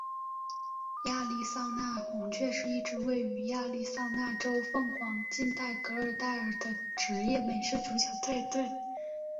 亚利桑那红雀是一支位于亚利桑那州凤凰城近郊格兰岱尔的职业美式足球球队。